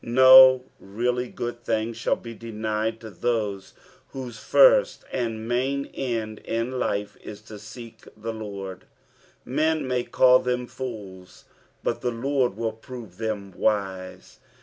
No really ^od thing shall be denied to those whose first and main end in life is to seek tlie Lord. Men may call them fools, but the Lord will prove tbem wise.